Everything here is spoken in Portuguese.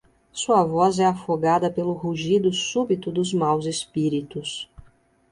Sua voz é afogada pelo rugido súbito dos maus espíritos.